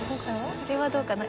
これはどうかな？